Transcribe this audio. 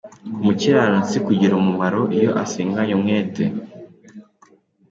k'umukiranutsi kugira umumaro iyo asenganye umwete.